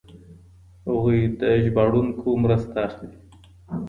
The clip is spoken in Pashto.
هغوی د ژباړونکو مرسته اخلي.